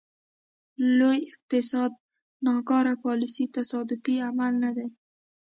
لوی اقتصاد ناکاره پالیسۍ تصادفي عمل نه دی.